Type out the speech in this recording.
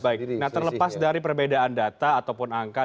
baik nah terlepas dari perbedaan data ataupun angka